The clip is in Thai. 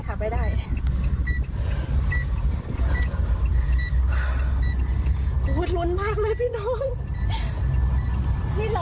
เราเป็นใครเนี่ย